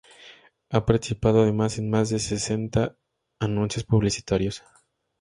Ha participado además en más de sesenta anuncios publicitarios.